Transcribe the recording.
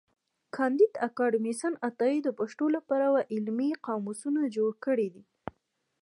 کانديد اکاډميسن عطايي د پښتو له پاره علمي قاموسونه جوړ کړي دي.